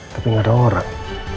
tapi gak ada orang